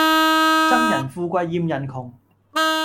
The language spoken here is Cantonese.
憎人富貴厭人窮